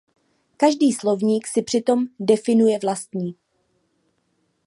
Každý slovník si přitom definuje vlastní.